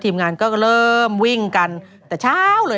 ตีสามเนี่ย